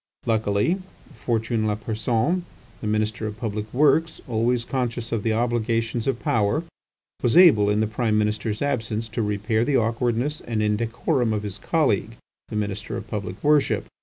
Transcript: Luckily, Fortuné Lapersonne, the Minister of Public Works, always conscious of the obligations of power, was able in the Prime Minister's absence to repair the awkwardness and indecorum of his colleague, the Minister of Public Worship.